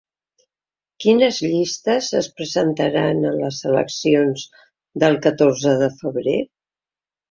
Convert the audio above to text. Quines llistes es presentaran a les eleccions del catorze de febrer?